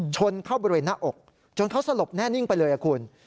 ชนเข้าบริเวณหน้าอกจนเขาสลบแน่นิ่งไปเลยคุณ